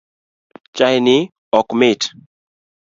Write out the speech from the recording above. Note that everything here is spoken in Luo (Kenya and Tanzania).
Chai ni ok mita